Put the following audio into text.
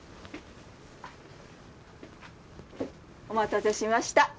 お待たせしました。